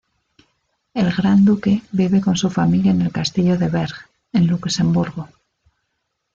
El Gran duque vive con su familia en el Castillo de Berg, en Luxemburgo.